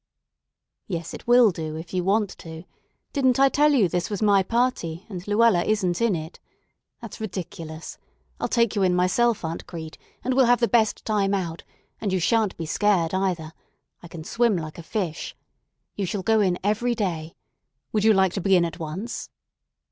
"Yes, it will do, if you want to. Didn't I tell you this was my party, and Luella isn't in it? That's ridiculous. I'll take you in myself, Aunt Crete, and we'll have the best time out; and you sha'n't be scared, either. I can swim like a fish. You shall go in every day. Would you like to begin at once?"